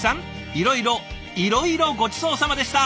いろいろいろいろごちそうさまでした！